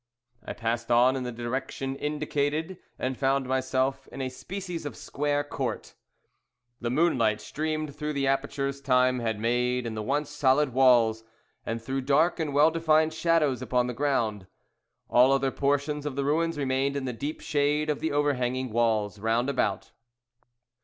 I passed on in the direction indicated, and found myself in a species of square court. The moonlight streamed through the apertures time had made in the once solid walls, and threw dark and well defined shadows upon the ground. All other portions of the ruins remained in the deep shade of the overhanging walls round about.